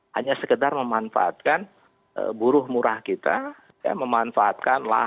hanya sekedar memanfaatkan buruh murah kita ya memanfaatkan